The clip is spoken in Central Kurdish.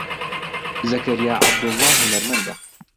زەکەریا عەبدوڵڵا هونەرمەندە.